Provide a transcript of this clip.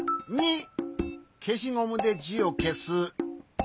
けしゴムでじをけす。